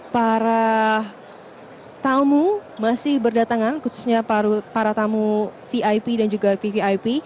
para tamu masih berdatangan khususnya para tamu vip dan juga vvip